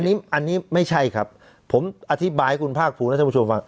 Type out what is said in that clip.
อันนี้อันนี้ไม่ใช่ครับผมอธิบายคุณภาคภูมินักชมชมฟัง